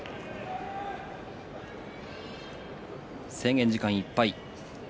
制限時間がいっぱいです。